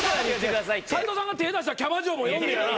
斉藤さんが手出したキャバ嬢も呼んでやな。